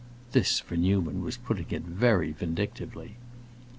(This, for Newman was putting it very vindictively.)